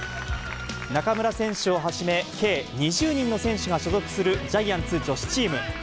中村選手をはじめ、計２０人の選手が所属するジャイアンツ女子チーム。